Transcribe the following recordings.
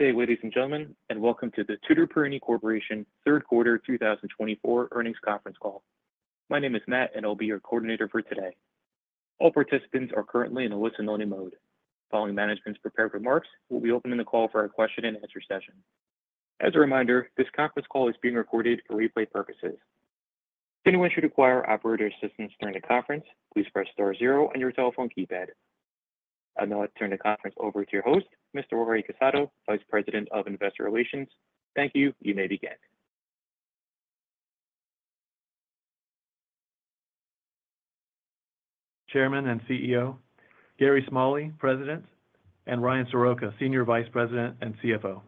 Good day, ladies and gentlemen, and welcome to the Tutor Perini Corporation Third Quarter 2024 earnings conference call. My name is Matt, and I'll be your coordinator for today. All participants are currently in a listen-only mode. Following management's prepared remarks, we'll be opening the call for a question-and-answer session. As a reminder, this conference call is being recorded for replay purposes. If anyone should require operator assistance during the conference, please press star zero on your telephone keypad. I'll now turn the conference over to your host, Mr. Jorge Casado, Vice President of Investor Relations. Thank you. You may begin. Chairman and CEO Ronald Tutor, President Gary Smalley, and Ryan Soroka, Senior Vice President and CFO.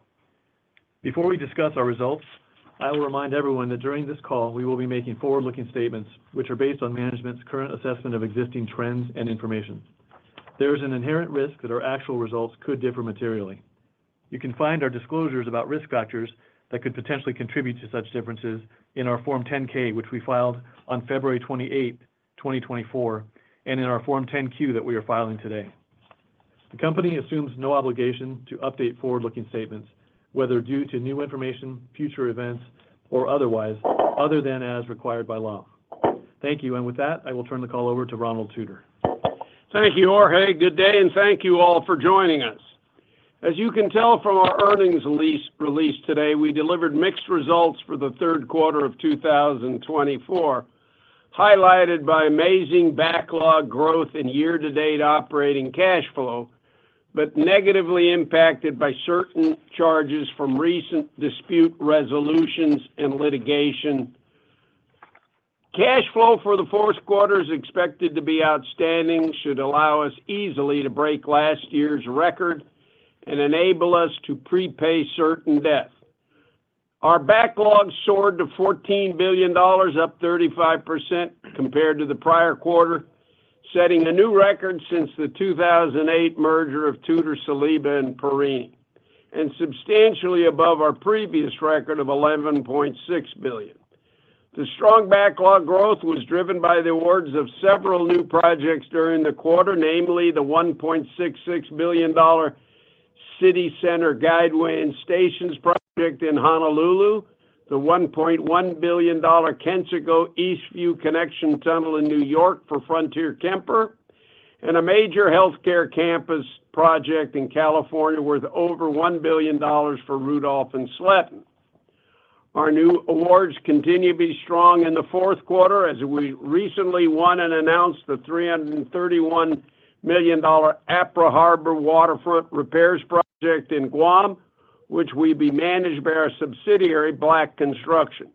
Before we discuss our results, I will remind everyone that during this call, we will be making forward-looking statements which are based on management's current assessment of existing trends and information. There is an inherent risk that our actual results could differ materially. You can find our disclosures about risk factors that could potentially contribute to such differences in our Form 10-K, which we filed on February 28, 2024, and in our Form 10-Q that we are filing today. The company assumes no obligation to update forward-looking statements, whether due to new information, future events, or otherwise, other than as required by law. Thank you, and with that, I will turn the call over to Ronald Tutor. Thank you, Jorge. Good day, and thank you all for joining us. As you can tell from our earnings release today, we delivered mixed results for the third quarter of 2024, highlighted by amazing backlog growth in year-to-date operating cash flow, but negatively impacted by certain charges from recent dispute resolutions and litigation. Cash flow for the fourth quarter is expected to be outstanding. Should allow us easily to break last year's record and enable us to prepay certain debt. Our backlog soared to $14 billion, up 35% compared to the prior quarter, setting a new record since the 2008 merger of Tutor-Saliba, and Perini, and substantially above our previous record of $11.6 billion. The strong backlog growth was driven by the awards of several new projects during the quarter, namely the $1.66 billion City Center Guideway and Stations project in Honolulu, the $1.1 billion Kensico-Eastview Connection Tunnel in New York for Frontier-Kemper, and a major healthcare campus project in California worth over $1 billion for Rudolph and Sletten. Our new awards continue to be strong in the fourth quarter, as we recently won and announced the $331 million Apra Harbor Waterfront Repairs project in Guam, which will be managed by our subsidiary, Black Construction.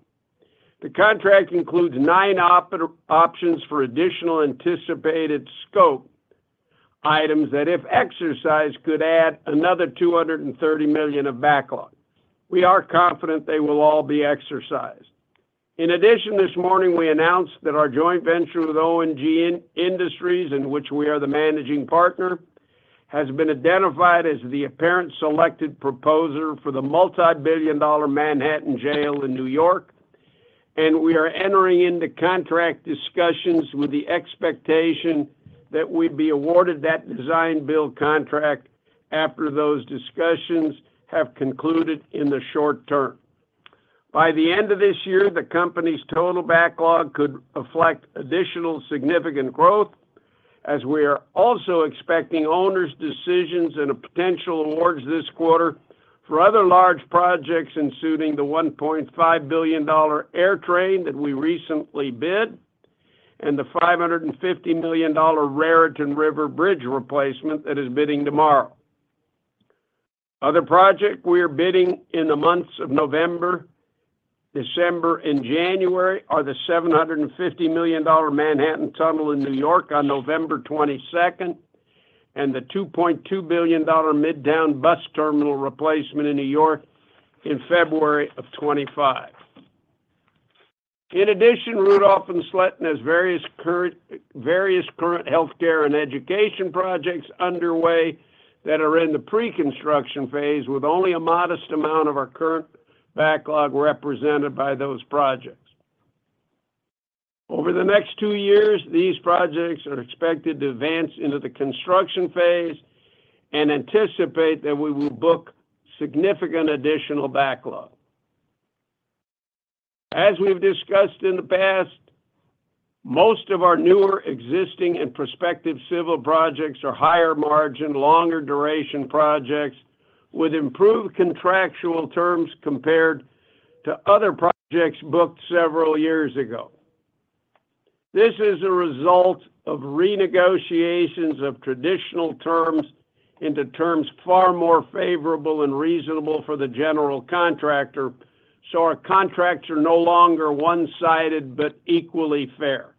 The contract includes nine options for additional anticipated scope items that, if exercised, could add another $230 million of backlog. We are confident they will all be exercised. In addition, this morning, we announced that our joint venture with O&G Industries, in which we are the managing partner, has been identified as the apparent selected proposer for the multibillion-dollar Manhattan Jail in New York, and we are entering into contract discussions with the expectation that we'd be awarded that design-build contract after those discussions have concluded in the short term. By the end of this year, the company's total backlog could reflect additional significant growth, as we are also expecting owners' decisions and potential awards this quarter for other large projects ensuing the $1.5 billion AirTrain that we recently bid and the $550 million Raritan River Bridge replacement that is bidding tomorrow. Other projects we are bidding in the months of November, December, and January are the $750 million Manhattan Tunnel in New York on November 22nd, and the $2.2 billion Midtown Bus Terminal replacement in New York in February of 2025. In addition, Rudolph and Sletten has various current healthcare and education projects underway that are in the pre-construction phase, with only a modest amount of our current backlog represented by those projects. Over the next two years, these projects are expected to advance into the construction phase and anticipate that we will book significant additional backlog. As we've discussed in the past, most of our newer existing and prospective civil projects are higher margin, longer duration projects with improved contractual terms compared to other projects booked several years ago. This is a result of renegotiations of traditional terms into terms far more favorable and reasonable for the general contractor, so our contracts are no longer one-sided but equally fair.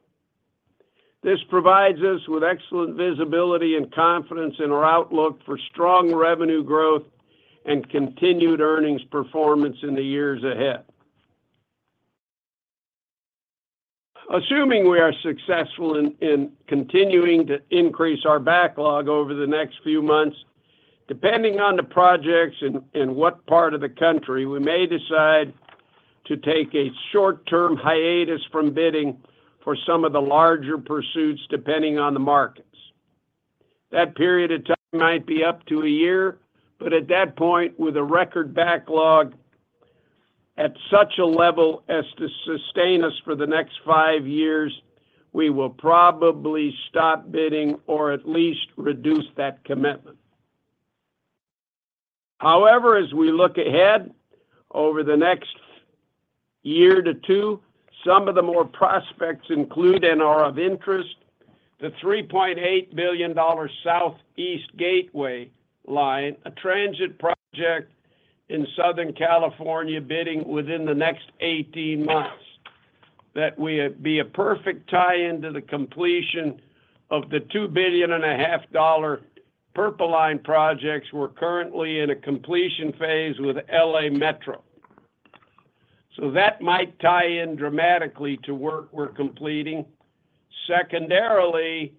This provides us with excellent visibility and confidence in our outlook for strong revenue growth and continued earnings performance in the years ahead. Assuming we are successful in continuing to increase our backlog over the next few months, depending on the projects and what part of the country, we may decide to take a short-term hiatus from bidding for some of the larger pursuits, depending on the markets. That period of time might be up to a year, but at that point, with a record backlog at such a level as to sustain us for the next five years, we will probably stop bidding or at least reduce that commitment. However, as we look ahead over the next one to two, some of the more prospects include and are of interest: the $3.8 billion Southeast Gateway Line, a transit project in Southern California bidding within the next 18 months, that would be a perfect tie-in to the completion of the $2.5 billion Purple Line projects we're currently in a completion phase with LA Metro. So that might tie in dramatically to work we're completing. Secondarily,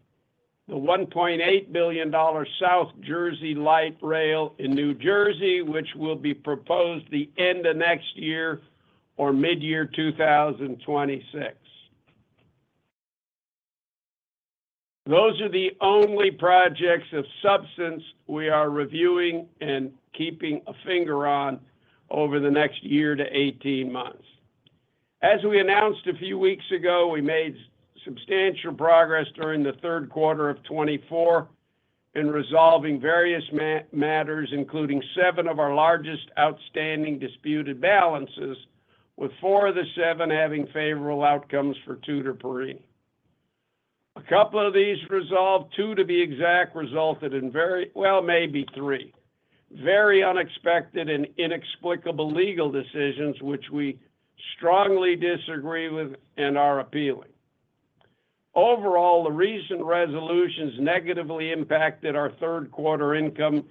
the $1.8 billion South Jersey Light Rail in New Jersey, which will be proposed the end of next year or mid-year 2026. Those are the only projects of substance we are reviewing and keeping a finger on over the next year to 18 months. As we announced a few weeks ago, we made substantial progress during the third quarter of 2024 in resolving various matters, including seven of our largest outstanding disputed balances, with four of the seven having favorable outcomes for Tutor Perini. A couple of these resolved, two to be exact, resulted in very, well, maybe three, very unexpected and inexplicable legal decisions, which we strongly disagree with and are appealing. Overall, the recent resolutions negatively impacted our third quarter income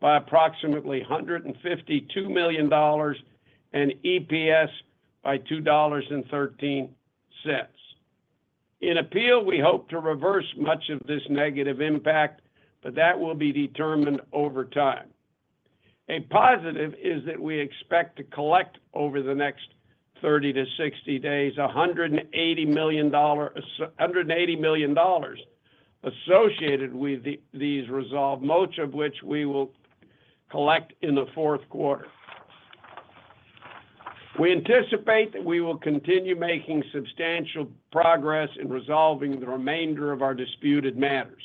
by approximately $152 million and EPS by $2.13. On appeal, we hope to reverse much of this negative impact, but that will be determined over time. A positive is that we expect to collect over the next 30-60 days $180 million associated with these resolutions, much of which we will collect in the fourth quarter. We anticipate that we will continue making substantial progress in resolving the remainder of our disputed matters.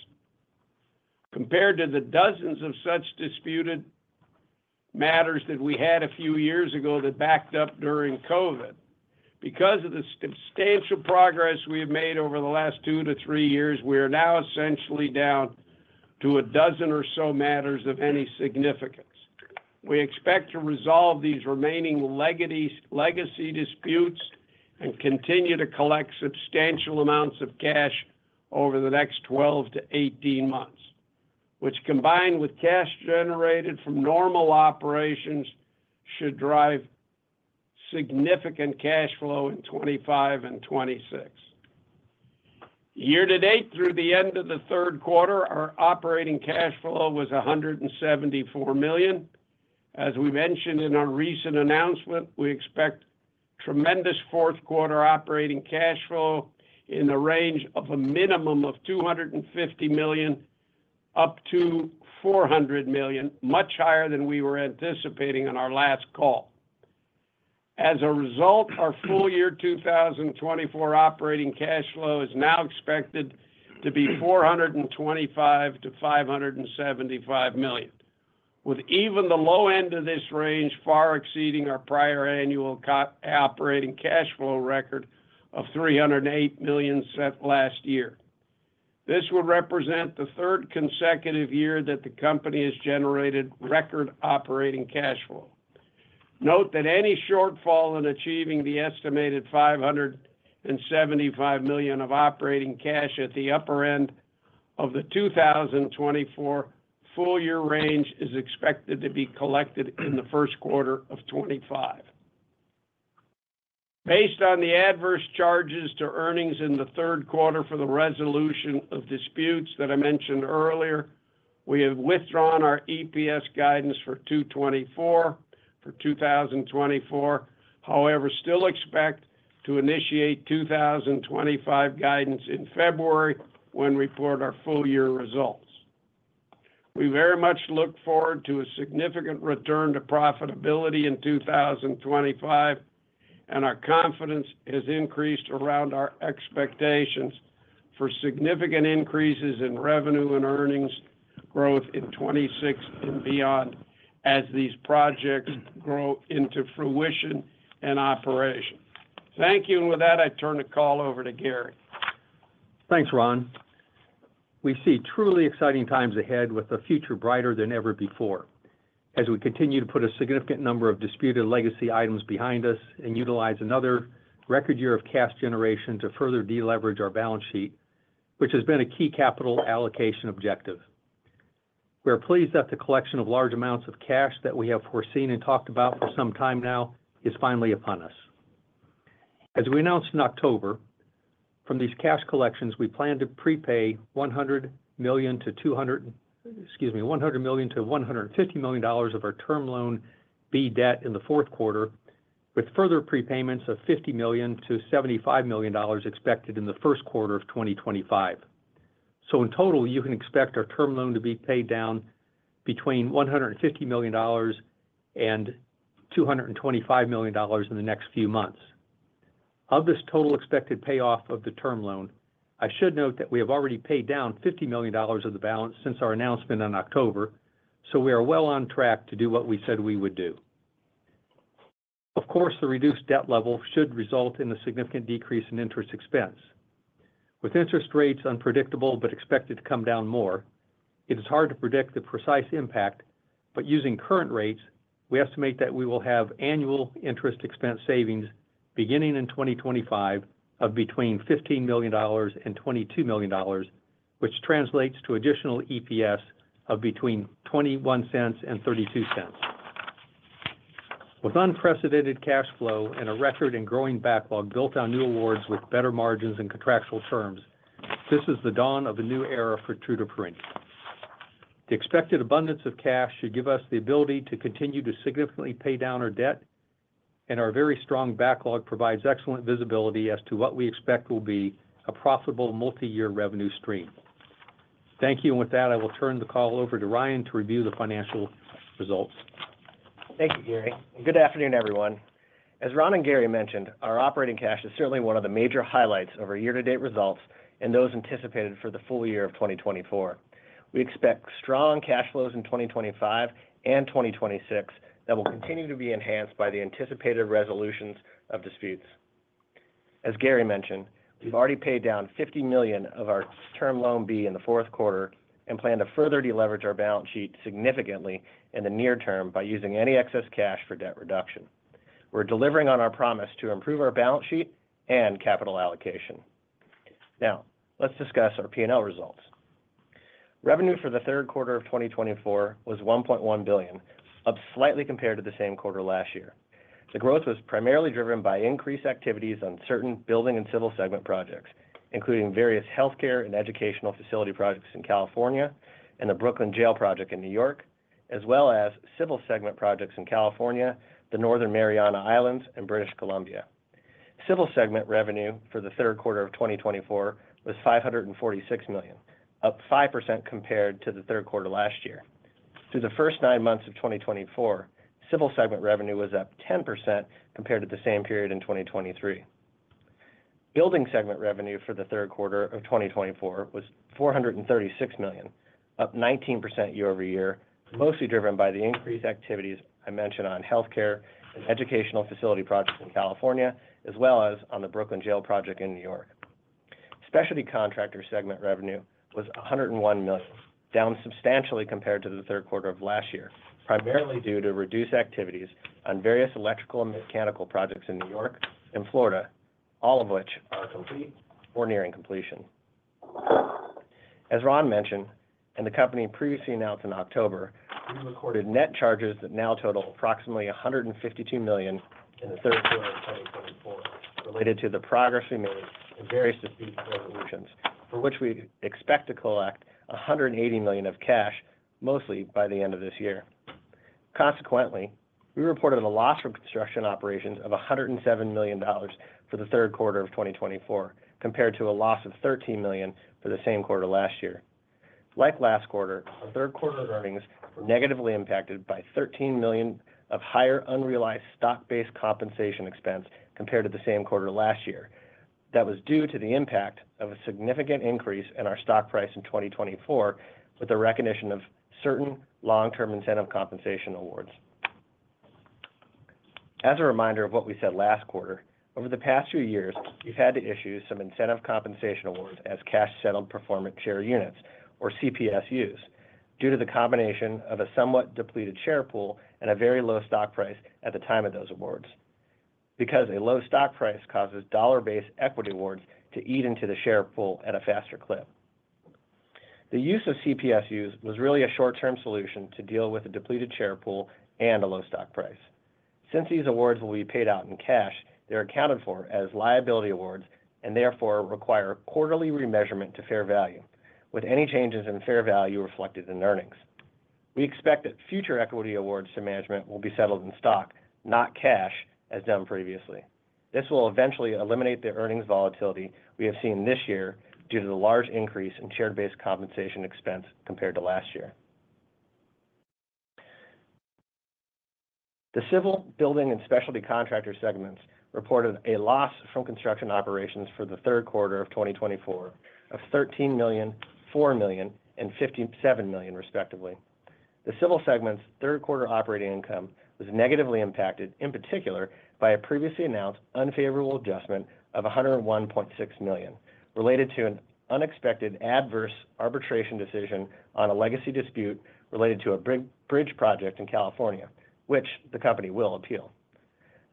Compared to the dozens of such disputed matters that we had a few years ago that backed up during COVID, because of the substantial progress we have made over the last two to three years, we are now essentially down to a dozen or so matters of any significance. We expect to resolve these remaining legacy disputes and continue to collect substantial amounts of cash over the next 12-18 months, which, combined with cash generated from normal operations, should drive significant cash flow in 2025 and 2026. Year to date, through the end of the third quarter, our operating cash flow was $174 million. As we mentioned in our recent announcement, we expect tremendous fourth quarter operating cash flow in the range of a minimum of $250 million-$400 million, much higher than we were anticipating on our last call. As a result, our full year 2024 operating cash flow is now expected to be $425 million-$575 million, with even the low end of this range far exceeding our prior annual operating cash flow record of $308 million set last year. This would represent the third consecutive year that the company has generated record operating cash flow. Note that any shortfall in achieving the estimated $575 million of operating cash at the upper end of the 2024 full year range is expected to be collected in the first quarter of 2025. Based on the adverse charges to earnings in the third quarter for the resolution of disputes that I mentioned earlier, we have withdrawn our EPS guidance for 2024. However, we still expect to initiate 2025 guidance in February when we report our full year results. We very much look forward to a significant return to profitability in 2025, and our confidence has increased around our expectations for significant increases in revenue and earnings growth in 2026 and beyond as these projects grow into fruition and operation. Thank you. And with that, I turn the call over to Gary. Thanks, Ron. We see truly exciting times ahead with a future brighter than ever before as we continue to put a significant number of disputed legacy items behind us and utilize another record year of cash generation to further deleverage our balance sheet, which has been a key capital allocation objective. We are pleased that the collection of large amounts of cash that we have foreseen and talked about for some time now is finally upon us. As we announced in October, from these cash collections, we plan to prepay $100 million-$200 million, excuse me, $100 million-$150 million of our Term Loan B debt in the fourth quarter, with further prepayments of $50 million-$75 million expected in the first quarter of 2025. So in total, you can expect our term loan to be paid down between $150 million and $225 million in the next few months. Of this total expected payoff of the term loan, I should note that we have already paid down $50 million of the balance since our announcement in October, so we are well on track to do what we said we would do. Of course, the reduced debt level should result in a significant decrease in interest expense. With interest rates unpredictable but expected to come down more, it is hard to predict the precise impact, but using current rates, we estimate that we will have annual interest expense savings beginning in 2025 of between $15 million and $22 million, which translates to additional EPS of between $0.21 and $0.32. With unprecedented cash flow and a record and growing backlog built on new awards with better margins and contractual terms, this is the dawn of a new era for Tutor Perini. The expected abundance of cash should give us the ability to continue to significantly pay down our debt, and our very strong backlog provides excellent visibility as to what we expect will be a profitable multi-year revenue stream. Thank you. And with that, I will turn the call over to Ryan to review the financial results. Thank you, Gary, and good afternoon, everyone. As Ron and Gary mentioned, our operating cash is certainly one of the major highlights of our year-to-date results and those anticipated for the full year of 2024. We expect strong cash flows in 2025 and 2026 that will continue to be enhanced by the anticipated resolutions of disputes. As Gary mentioned, we've already paid down $50 million of our Term Loan B in the fourth quarter and plan to further deleverage our balance sheet significantly in the near term by using any excess cash for debt reduction. We're delivering on our promise to improve our balance sheet and capital allocation. Now, let's discuss our P&L results. Revenue for the third quarter of 2024 was $1.1 billion, up slightly compared to the same quarter last year. The growth was primarily driven by increased activities on certain building and civil segment projects, including various healthcare and educational facility projects in California and the Brooklyn Jail project in New York, as well as civil segment projects in California, the Northern Mariana Islands, and British Columbia. Civil segment revenue for the third quarter of 2024 was $546 million, up 5% compared to the third quarter last year. Through the first nine months of 2024, civil segment revenue was up 10% compared to the same period in 2023. Building segment revenue for the third quarter of 2024 was $436 million, up 19% year-over-year, mostly driven by the increased activities I mentioned on healthcare and educational facility projects in California, as well as on the Brooklyn Jail project in New York. Specialty contractor segment revenue was $101 million, down substantially compared to the third quarter of last year, primarily due to reduced activities on various electrical and mechanical projects in New York and Florida, all of which are complete or nearing completion. As Ron mentioned, and the company previously announced in October, we recorded net charges that now total approximately $152 million in the third quarter of 2024 related to the progress we made in various disputed resolutions, for which we expect to collect $180 million of cash, mostly by the end of this year. Consequently, we reported a loss from construction operations of $107 million for the third quarter of 2024, compared to a loss of $13 million for the same quarter last year. Like last quarter, our third quarter earnings were negatively impacted by $13 million of higher unrealized stock-based compensation expense compared to the same quarter last year. That was due to the impact of a significant increase in our stock price in 2024, with the recognition of certain long-term incentive compensation awards. As a reminder of what we said last quarter, over the past few years, we've had to issue some incentive compensation awards as cash-settled performance share units, or CPSUs, due to the combination of a somewhat depleted share pool and a very low stock price at the time of those awards, because a low stock price causes dollar-based equity awards to eat into the share pool at a faster clip. The use of CPSUs was really a short-term solution to deal with a depleted share pool and a low stock price. Since these awards will be paid out in cash, they're accounted for as liability awards and therefore require quarterly remeasurement to fair value, with any changes in fair value reflected in earnings. We expect that future equity awards to management will be settled in stock, not cash, as done previously. This will eventually eliminate the earnings volatility we have seen this year due to the large increase in share-based compensation expense compared to last year. The civil, building, and specialty contractor segments reported a loss from construction operations for the third quarter of 2024 of $13 million, $4 million, and $57 million, respectively. The civil segment's third quarter operating income was negatively impacted, in particular, by a previously announced unfavorable adjustment of $101.6 million related to an unexpected adverse arbitration decision on a legacy dispute related to a bridge project in California, which the company will appeal.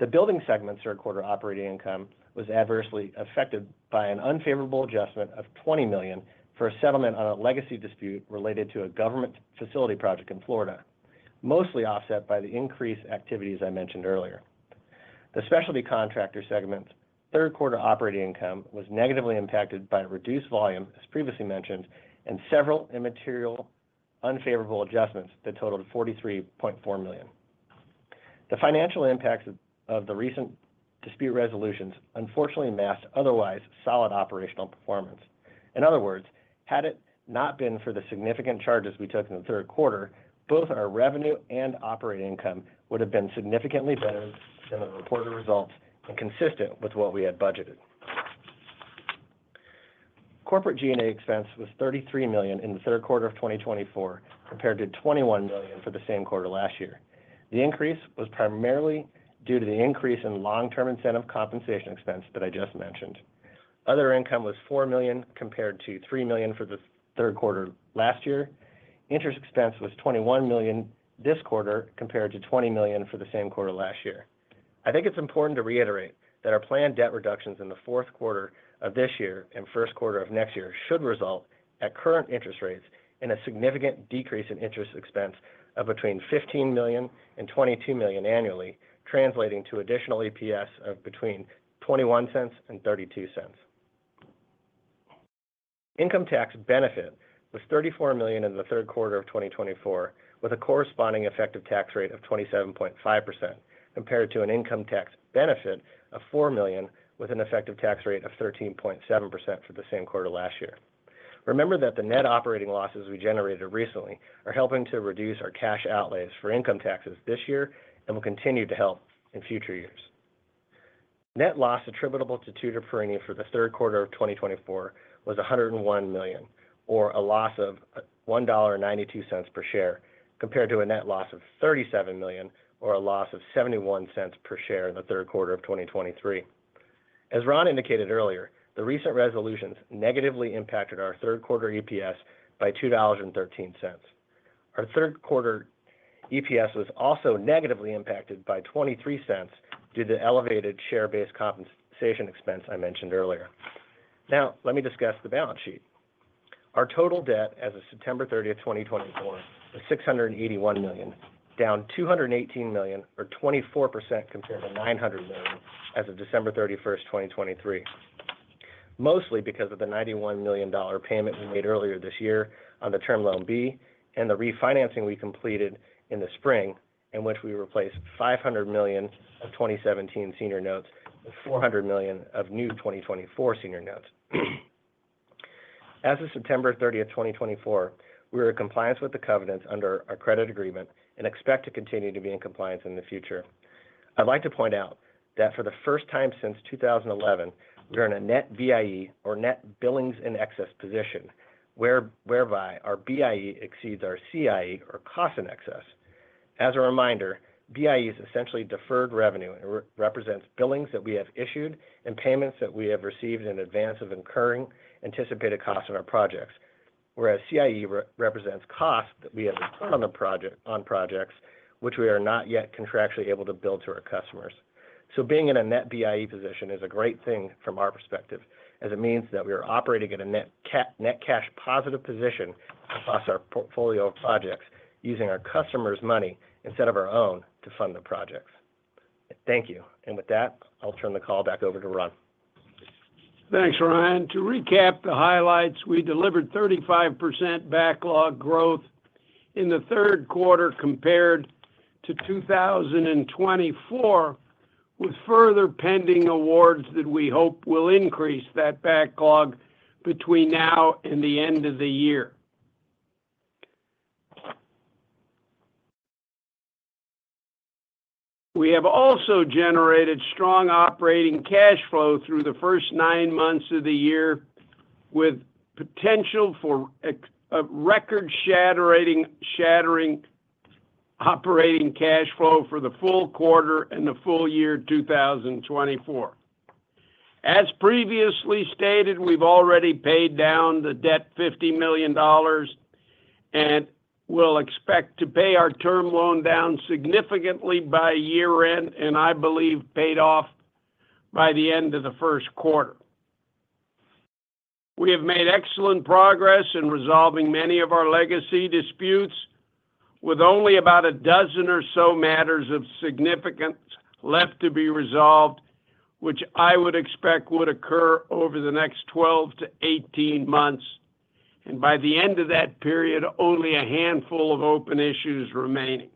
The building segment's third quarter operating income was adversely affected by an unfavorable adjustment of $20 million for a settlement on a legacy dispute related to a government facility project in Florida, mostly offset by the increased activities I mentioned earlier. The specialty contractor segment's third quarter operating income was negatively impacted by reduced volume, as previously mentioned, and several immaterial unfavorable adjustments that totaled $43.4 million. The financial impacts of the recent dispute resolutions, unfortunately, masked otherwise solid operational performance. In other words, had it not been for the significant charges we took in the third quarter, both our revenue and operating income would have been significantly better than the reported results and consistent with what we had budgeted. Corporate G&A expense was $33 million in the third quarter of 2024 compared to $21 million for the same quarter last year. The increase was primarily due to the increase in long-term incentive compensation expense that I just mentioned. Other income was $4 million compared to $3 million for the third quarter last year. Interest expense was $21 million this quarter compared to $20 million for the same quarter last year. I think it's important to reiterate that our planned debt reductions in the fourth quarter of this year and first quarter of next year should result, at current interest rates, in a significant decrease in interest expense of between $15 million and $22 million annually, translating to additional EPS of between $0.21 and $0.32. Income tax benefit was $34 million in the third quarter of 2024, with a corresponding effective tax rate of 27.5% compared to an income tax benefit of $4 million with an effective tax rate of 13.7% for the same quarter last year. Remember that the net operating losses we generated recently are helping to reduce our cash outlays for income taxes this year and will continue to help in future years. Net loss attributable to Tutor Perini for the third quarter of 2024 was $101 million, or a loss of $1.92 per share, compared to a net loss of $37 million, or a loss of $0.71 per share in the third quarter of 2023. As Ron indicated earlier, the recent resolutions negatively impacted our third quarter EPS by $2.13. Our third quarter EPS was also negatively impacted by $0.23 due to the elevated share-based compensation expense I mentioned earlier. Now, let me discuss the balance sheet. Our total debt as of September 30, 2024, was $681 million, down $218 million, or 24% compared to $900 million as of December 31, 2023, mostly because of the $91 million payment we made earlier this year on the Term Loan B and the refinancing we completed in the spring, in which we replaced $500 million of 2017 Senior Notes with $400 million of new 2024 Senior Notes. As of September 30, 2024, we are in compliance with the covenants under our credit agreement and expect to continue to be in compliance in the future. I'd like to point out that for the first time since 2011, we are in a net BIE, or net billings in excess, position, whereby our BIE exceeds our CIE, or costs in excess. As a reminder, BIE is essentially deferred revenue and represents billings that we have issued and payments that we have received in advance of incurring anticipated costs on our projects, whereas CIE represents costs that we have incurred on projects, which we are not yet contractually able to bill to our customers. So being in a net BIE position is a great thing from our perspective, as it means that we are operating in a net cash-positive position across our portfolio of projects using our customers' money instead of our own to fund the projects. Thank you. And with that, I'll turn the call back over to Ron. Thanks, Ryan. To recap the highlights, we delivered 35% backlog growth in the third quarter compared to 2024, with further pending awards that we hope will increase that backlog between now and the end of the year. We have also generated strong operating cash flow through the first nine months of the year, with potential for record-shattering operating cash flow for the full quarter and the full year 2024. As previously stated, we've already paid down the debt $50 million and will expect to pay our term loan down significantly by year-end, and I believe paid off by the end of the first quarter. We have made excellent progress in resolving many of our legacy disputes, with only about a dozen or so matters of significance left to be resolved, which I would expect would occur over the next 12-18 months, and by the end of that period, only a handful of open issues remaining.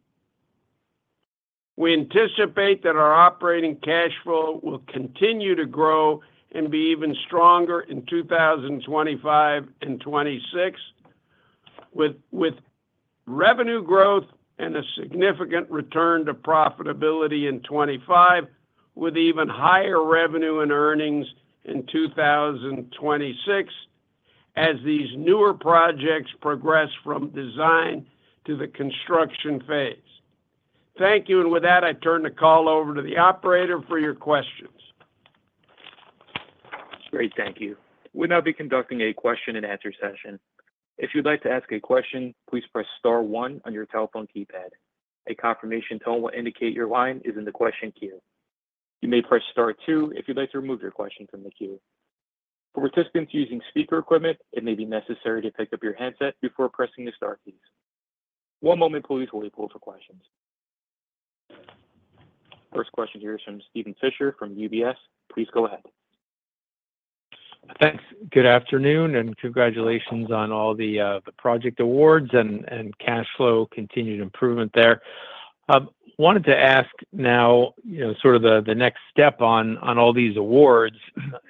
We anticipate that our operating cash flow will continue to grow and be even stronger in 2025 and 2026, with revenue growth and a significant return to profitability in 2025, with even higher revenue and earnings in 2026 as these newer projects progress from design to the construction phase. Thank you. And with that, I turn the call over to the operator for your questions. Great. Thank you. We'll now be conducting a question-and-answer session. If you'd like to ask a question, please press star one on your telephone keypad. A confirmation tone will indicate your line is in the question queue. You may press star two if you'd like to remove your question from the queue. For participants using speaker equipment, it may be necessary to pick up your headset before pressing the star keys. One moment, please, while we pull up the questions. First question here is from Steven Fisher from UBS. Please go ahead. Thanks. Good afternoon, and congratulations on all the project awards and cash flow continued improvement there. I wanted to ask now, sort of the next step on all these awards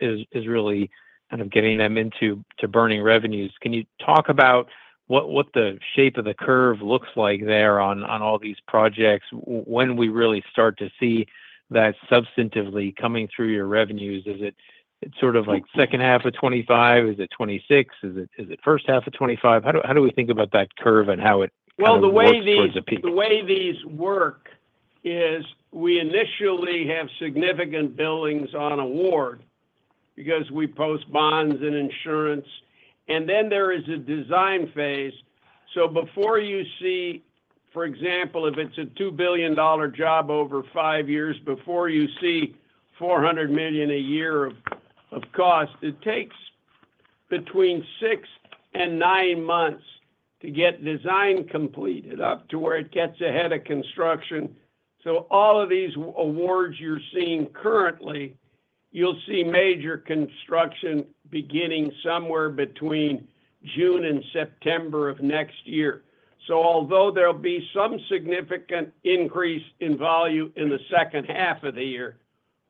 is really kind of getting them into burning revenues. Can you talk about what the shape of the curve looks like there on all these projects? When we really start to see that substantively coming through your revenues, is it sort of like second half of 2025? Is it 2026? Is it first half of 2025? How do we think about that curve and how it affects those sorts of people? The way these work is we initially have significant billings on award because we post bonds and insurance, and then there is a design phase. So before you see, for example, if it's a $2 billion job over five years, before you see $400 million a year of cost, it takes between six and nine months to get design completed up to where it gets ahead of construction. So all of these awards you're seeing currently, you'll see major construction beginning somewhere between June and September of next year. So although there'll be some significant increase in volume in the second half of the year,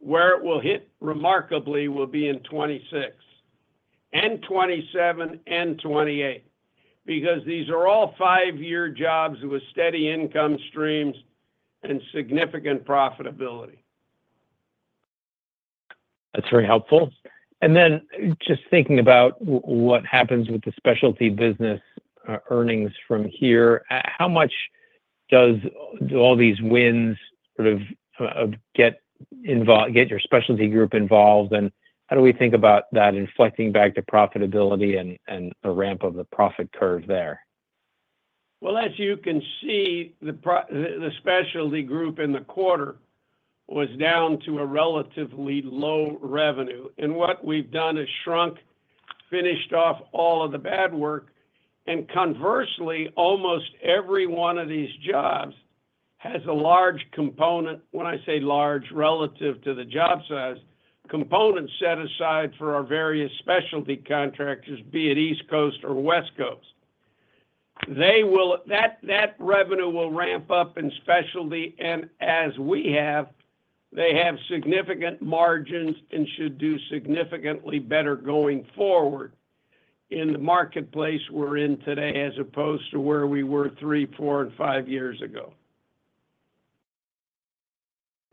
where it will hit remarkably will be in 2026 and 2027 and 2028 because these are all five-year jobs with steady income streams and significant profitability. That's very helpful. And then just thinking about what happens with the specialty business earnings from here, how much do all these wins sort of get your specialty group involved, and how do we think about that inflecting back to profitability and the ramp of the profit curve there? As you can see, the specialty group in the quarter was down to a relatively low revenue. And what we've done is shrunk, finished off all of the bad work, and conversely, almost every one of these jobs has a large component, when I say large, relative to the job size, component set aside for our various specialty contractors, be it East Coast or West Coast. That revenue will ramp up in specialty, and as we have, they have significant margins and should do significantly better going forward in the marketplace we're in today as opposed to where we were three, four, and five years ago.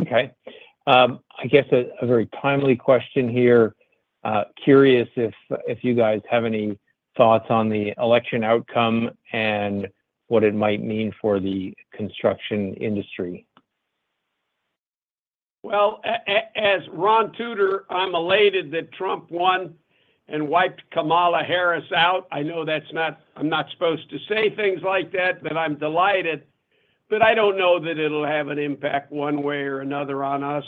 Okay. I guess a very timely question here. Curious if you guys have any thoughts on the election outcome and what it might mean for the construction industry. As Ron Tutor, I'm elated that Trump won and wiped Kamala Harris out. I know I'm not supposed to say things like that, but I'm delighted, but I don't know that it'll have an impact one way or another on us.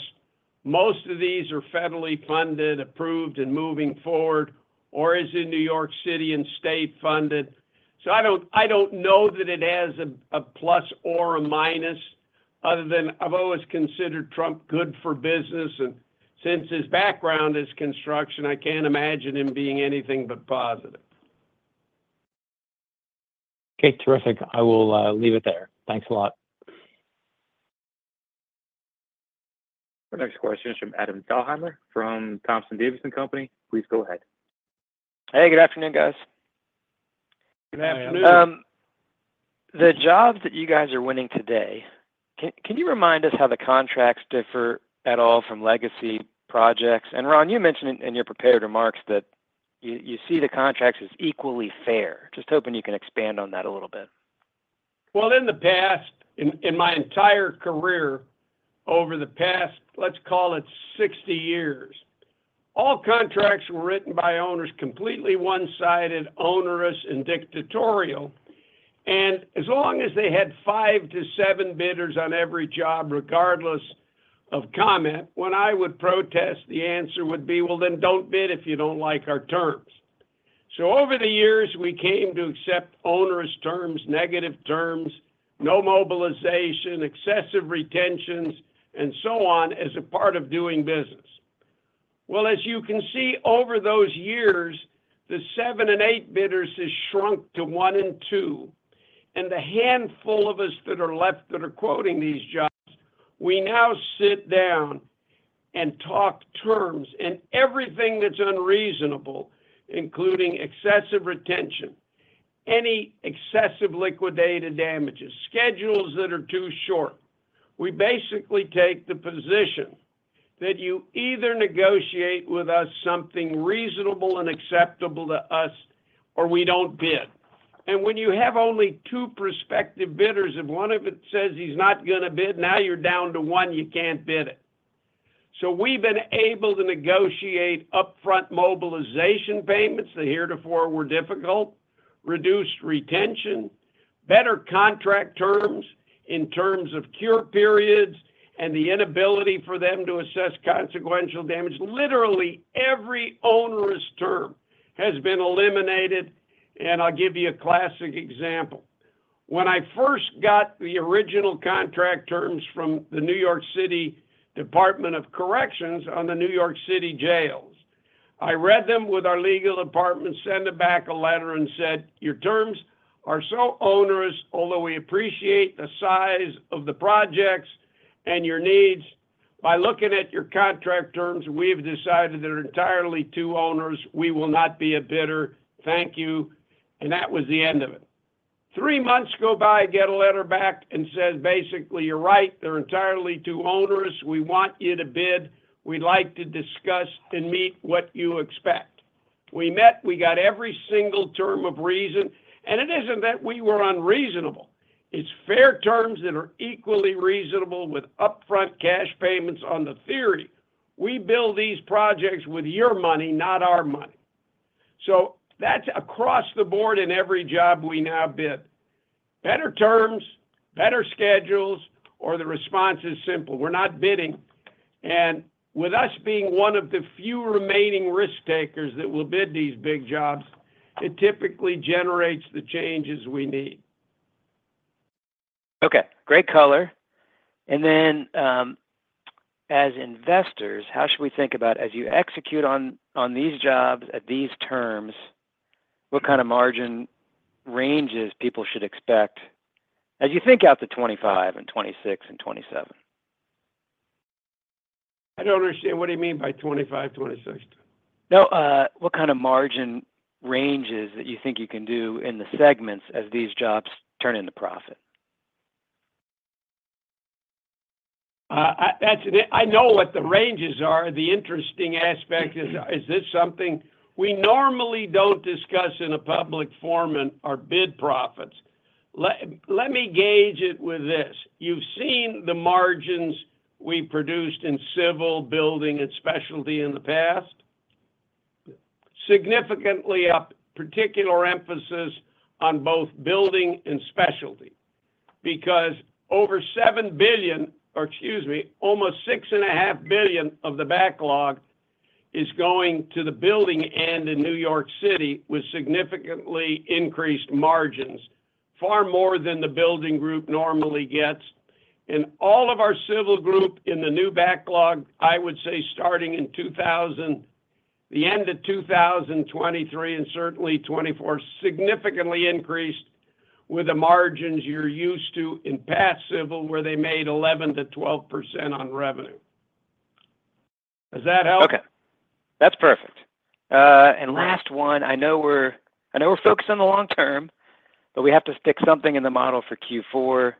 Most of these are federally funded, approved, and moving forward, or is it New York City and state funded? I don't know that it has a plus or a minus other than I've always considered Trump good for business, and since his background is construction, I can't imagine him being anything but positive. Okay. Terrific. I will leave it there. Thanks a lot. Our next question is from Adam Thalhimer from Thompson Davis & Company. Please go ahead. Hey, good afternoon, guys. Good afternoon. The jobs that you guys are winning today, can you remind us how the contracts differ at all from legacy projects? And Ron, you mentioned in your prepared remarks that you see the contracts as equally fair. Just hoping you can expand on that a little bit. Well, in the past, in my entire career over the past, let's call it, 60 years, all contracts were written by owners completely one-sided, onerous, and dictatorial, and as long as they had five to seven bidders on every job, regardless of comment, when I would protest, the answer would be, well, then don't bid if you don't like our terms, so over the years, we came to accept onerous terms, negative terms, no mobilization, excessive retentions, and so on as a part of doing business, well, as you can see, over those years, the seven and eight bidders have shrunk to one and two, and the handful of us that are left that are quoting these jobs, we now sit down and talk terms. Everything that's unreasonable, including excessive retention, any excessive liquidated damages, schedules that are too short, we basically take the position that you either negotiate with us something reasonable and acceptable to us, or we don't bid. When you have only two prospective bidders, if one of them says he's not going to bid, now you're down to one you can't bid it. We've been able to negotiate upfront mobilization payments, they heretofore were difficult, reduced retention, better contract terms in terms of cure periods, and the inability for them to assess consequential damage. Literally, every onerous term has been eliminated. I'll give you a classic example. When I first got the original contract terms from the New York City Department of Correction on the New York City jails, I read them with our legal department, sent them back a letter, and said, "Your terms are so onerous, although we appreciate the size of the projects and your needs. By looking at your contract terms, we have decided they're entirely too onerous. We will not be a bidder. Thank you." That was the end of it. Three months go by, get a letter back and says, basically, "You're right. They're entirely too onerous. We want you to bid. We'd like to discuss and meet what you expect." We met. We got every single term of reason. It isn't that we were unreasonable. It's fair terms that are equally reasonable with upfront cash payments on the theory. We build these projects with your money, not our money. So that's across the board in every job we now bid. Better terms, better schedules, or the response is simple. We're not bidding. And with us being one of the few remaining risk takers that will bid these big jobs, it typically generates the changes we need. Okay. Great color. And then as investors, how should we think about as you execute on these jobs at these terms, what kind of margin ranges people should expect as you think out the 2025 and 2026 and 2027? I don't understand what do you mean by 2025, 2026? No. What kind of margin ranges that you think you can do in the segments as these jobs turn into profit? I know what the ranges are. The interesting aspect is, is this something we normally don't discuss in a public forum in our bid profits? Let me gauge it with this. You've seen the margins we produced in civil, building, and specialty in the past? Significantly up, particular emphasis on both building and specialty because over $7 billion or, excuse me, almost $6.5 billion of the backlog is going to the building and in New York City with significantly increased margins, far more than the building group normally gets. And all of our civil group in the new backlog, I would say starting in 2000, the end of 2023, and certainly 2024, significantly increased with the margins you're used to in past civil where they made 11%-12% on revenue. Does that help? Okay. That's perfect. And last one, I know we're focused on the long term, but we have to stick something in the model for Q4.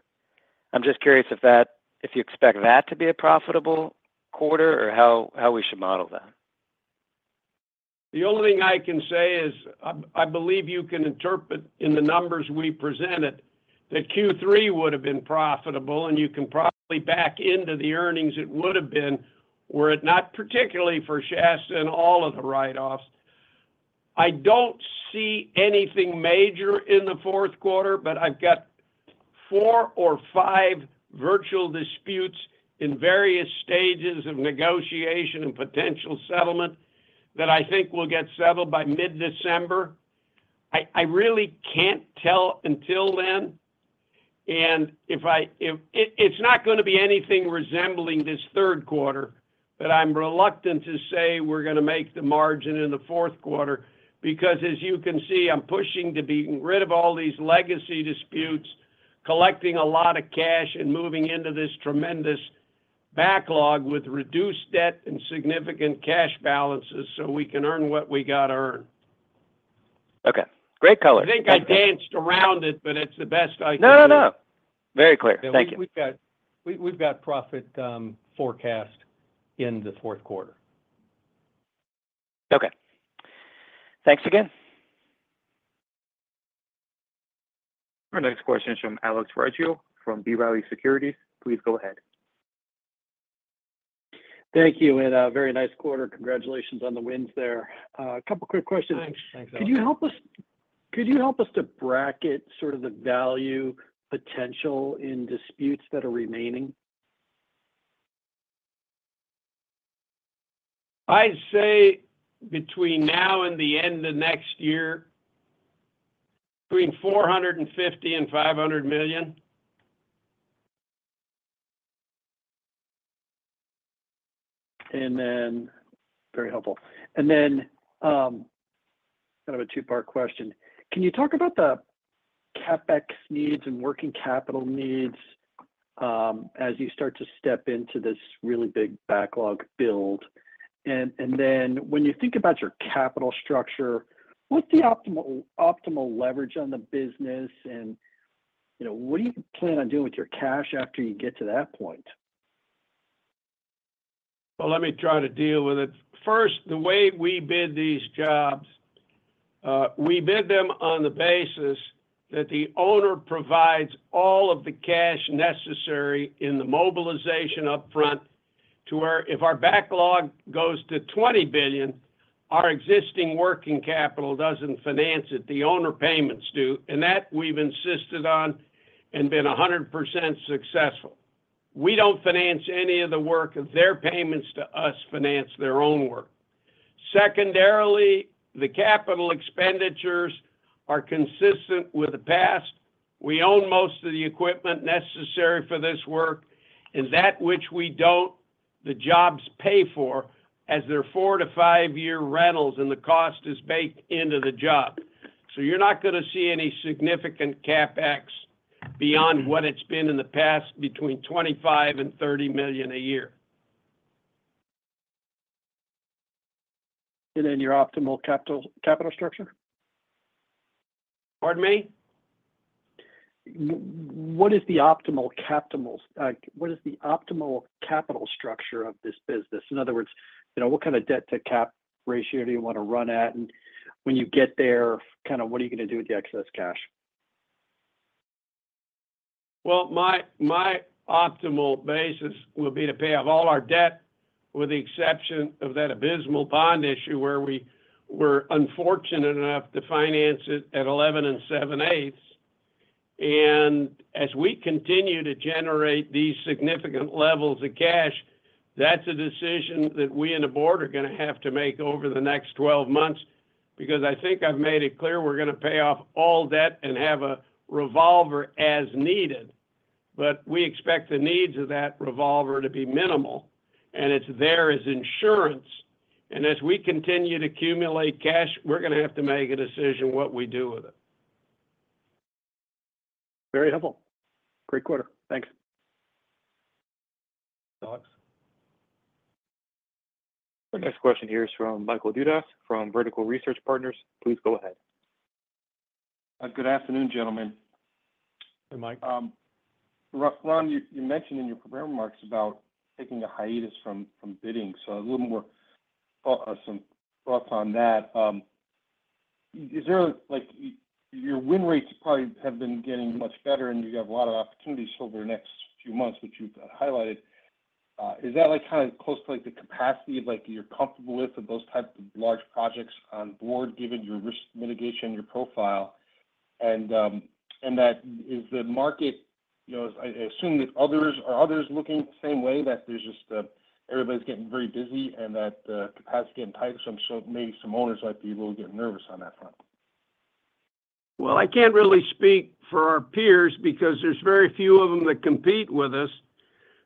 I'm just curious if you expect that to be a profitable quarter or how we should model that? The only thing I can say is I believe you can interpret in the numbers we presented that Q3 would have been profitable, and you can probably back into the earnings it would have been were it not particularly for Shasta and all of the write-offs. I don't see anything major in the fourth quarter, but I've got four or five various disputes in various stages of negotiation and potential settlement that I think will get settled by mid-December. I really can't tell until then. And it's not going to be anything resembling this third quarter, but I'm reluctant to say we're going to make the margin in the fourth quarter because, as you can see, I'm pushing to be rid of all these legacy disputes, collecting a lot of cash, and moving into this tremendous backlog with reduced debt and significant cash balances so we can earn what we got to earn. Okay. Great color. I think I danced around it, but it's the best I can. No, no, no. Very clear. Thank you. I think we've got profit forecast in the fourth quarter. Okay. Thanks again. Our next question is from Alex Rygiel from B. Riley Securities. Please go ahead. Thank you, and a very nice quarter. Congratulations on the wins there. A couple of quick questions. Thanks. Could you help us to bracket sort of the value potential in disputes that are remaining? I'd say between now and the end of next year, between $450 million and $500 million. And then very helpful. And then, kind of a two-part question. Can you talk about the CapEx needs and working capital needs as you start to step into this really big backlog build? And then, when you think about your capital structure, what's the optimal leverage on the business, and what do you plan on doing with your cash after you get to that point? Let me try to deal with it. First, the way we bid these jobs, we bid them on the basis that the owner provides all of the cash necessary in the mobilization upfront to where if our backlog goes to 20 billion, our existing working capital doesn't finance it. The owner payments do. That we've insisted on and been 100% successful. We don't finance any of the work. Their payments to us finance their own work. Secondarily, the capital expenditures are consistent with the past. We own most of the equipment necessary for this work. And that which we don't, the jobs pay for as they're four-five-year rentals, and the cost is baked into the job. You're not going to see any significant CapEx beyond what it's been in the past between 25 and 30 million a year. And then your optimal capital structure? Pardon me? What is the optimal capital structure of this business? In other words, what kind of debt-to-cap ratio do you want to run at? And when you get there, kind of what are you going to do with the excess cash? My optimal basis will be to pay off all our debt with the exception of that abysmal bond issue where we were unfortunate enough to finance it at 11.875%. And as we continue to generate these significant levels of cash, that's a decision that we and the board are going to have to make over the next 12 months because I think I've made it clear we're going to pay off all debt and have a revolver as needed. But we expect the needs of that revolver to be minimal, and it's there as insurance. And as we continue to accumulate cash, we're going to have to make a decision what we do with it. Very helpful. Great quarter. Thanks. Alex. Our next question here is from Michael Dudas from Vertical Research Partners. Please go ahead. Good afternoon, gentlemen. Hey, Mike. Ron, you mentioned in your remarks about taking a hiatus from bidding. So a little more thought on some thoughts on that. Your win rates probably have been getting much better, and you have a lot of opportunities over the next few months, which you've highlighted. Is that kind of close to the capacity of you're comfortable with those types of large projects on board given your risk mitigation and your profile? And that is the market, I assume that others are looking the same way, that there's just everybody's getting very busy and that the capacity is getting tighter, so maybe some owners might be a little bit nervous on that front. I can't really speak for our peers because there's very few of them that compete with us.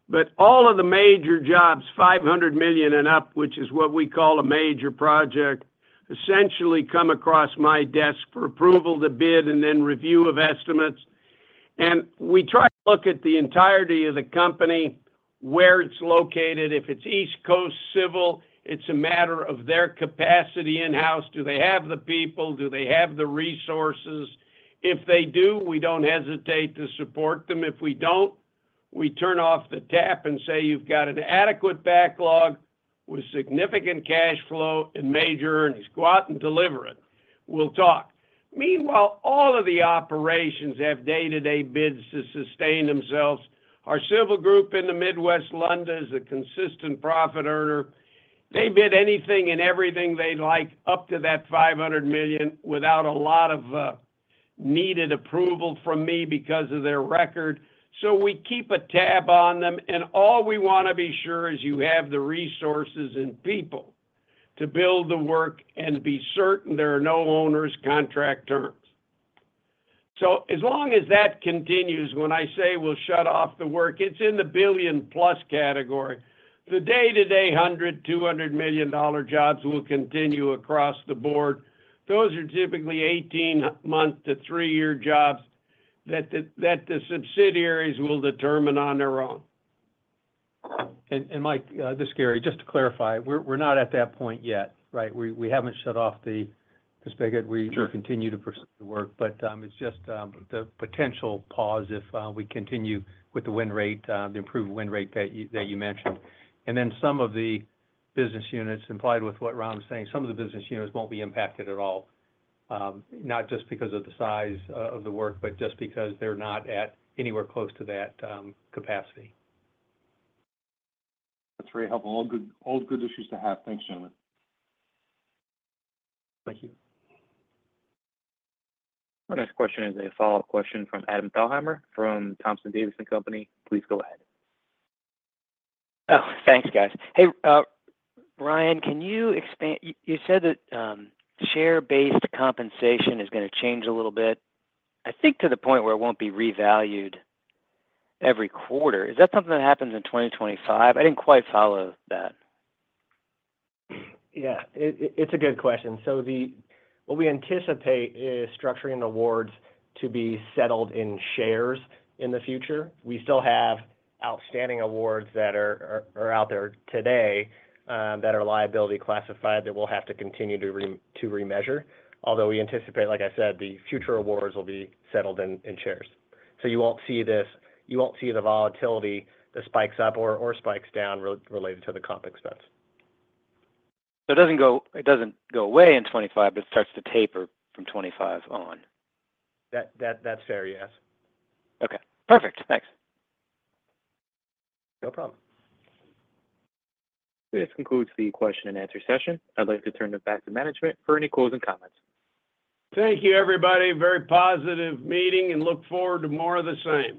But all of the major jobs, $500 million and up, which is what we call a major project, essentially come across my desk for approval to bid and then review of estimates. And we try to look at the entirety of the company, where it's located. If it's East Coast Civil, it's a matter of their capacity in-house. Do they have the people? Do they have the resources? If they do, we don't hesitate to support them. If we don't, we turn off the tap and say, "You've got an adequate backlog with significant cash flow and major earnings. Go out and deliver it. We'll talk." Meanwhile, all of the operations have day-to-day bids to sustain themselves. Our civil group in the Midwest, Lunda, is a consistent profit earner. They bid anything and everything they'd like up to that $500 million without a lot of needed approval from me because of their record. So we keep tabs on them. And all we want to be sure is you have the resources and people to build the work and be certain there are no owners' contract terms. So as long as that continues, when I say we'll shut off the work, it's in the $1 billion-plus category. The day-to-day $100 million, $200 million dollar jobs will continue across the board. Those are typically 18-month to three-year jobs that the subsidiaries will determine on their own. Mike, this is Gary. Just to clarify, we're not at that point yet, right? We haven't shut off the spigot. We continue to pursue the work. But it's just the potential pause if we continue with the win rate, the improved win rate that you mentioned. And then some of the business units implied with what Ron was saying, some of the business units won't be impacted at all, not just because of the size of the work, but just because they're not at anywhere close to that capacity. That's very helpful. All good issues to have. Thanks, gentlemen. Thank you. Our next question is a follow-up question from Adam Thalhimer from Thompson Davis & Company. Please go ahead. Oh, thanks, guys. Hey, Ryan, can you expand? You said that share-based compensation is going to change a little bit, I think to the point where it won't be revalued every quarter. Is that something that happens in 2025? I didn't quite follow that. Yeah. It's a good question. So what we anticipate is structuring awards to be settled in shares in the future. We still have outstanding awards that are out there today that are liability classified that we'll have to continue to remeasure. Although we anticipate, like I said, the future awards will be settled in shares. So you won't see this. You won't see the volatility that spikes up or spikes down related to the comp expense. So it doesn't go away in 2025, but it starts to taper from 2025 on. That's fair, yes. Okay. Perfect. Thanks. No problem. This concludes the question and answer session. I'd like to turn it back to management for any closing comments. Thank you, everybody. Very positive meeting and look forward to more of the same.